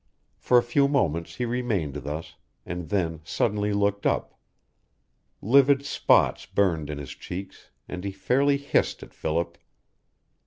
For a few moments he remained thus, and then suddenly looked up. Livid spots burned in his cheeks, and he fairly hissed at Philip.